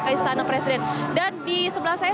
ke istana presiden dan di sebelah saya